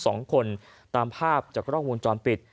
ทั้งสองคนตามภาพจากกล้องมูลจอมปิด